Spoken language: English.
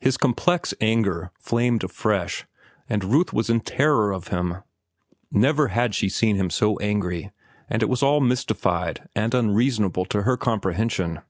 His complex anger flamed afresh, and Ruth was in terror of him. Never had she seen him so angry, and it was all mystified and unreasonable to her comprehension.